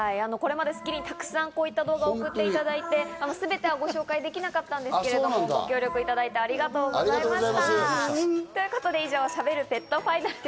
これまで『スッキリ』にたくさんの動画を送っていただいて全ては紹介できなかったんですけど、ご協力いただいて、ありがとうございました。